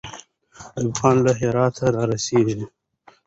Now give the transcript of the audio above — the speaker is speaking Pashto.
ایوب خان له هراته را رسېږي.